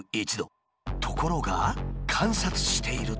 ところが観察していると。